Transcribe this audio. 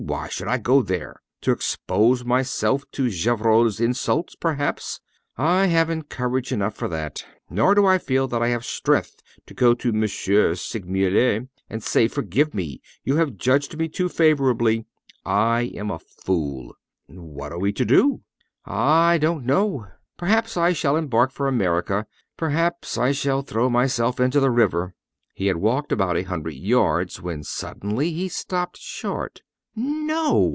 "Why should I go there? To expose myself to Gevrol's insults, perhaps? I haven't courage enough for that. Nor do I feel that I have strength to go to M. Segmuller and say: 'Forgive me: you have judged me too favorably. I am a fool!'" "What are we to do?" "Ah! I don't know. Perhaps I shall embark for America perhaps I shall throw myself into the river." He had walked about a hundred yards when suddenly he stopped short. "No!"